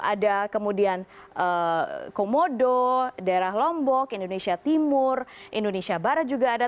ada kemudian komodo daerah lombok indonesia timur indonesia barat juga ada